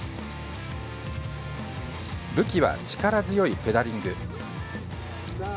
武器は、力強いペダリング。